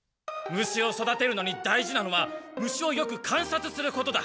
虫を育てるのに大事なのは虫をよくかんさつすることだ。